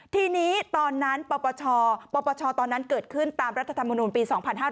ทีนี้ตอนนั้นปรปชเกิดขึ้นตามรัฐธรรมนุนปี๒๕๕๐